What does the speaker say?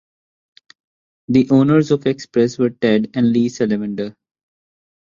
The owners of the Express were Ted and Lisa Lavender.